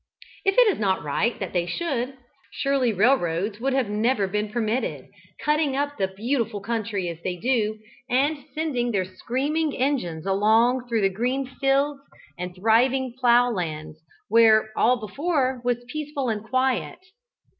If it is not right that they should, surely railroads would never have been permitted, cutting up the beautiful country as they do, and sending their screaming engines along through the green fields and thriving plough lands, where all before was peaceful and quiet.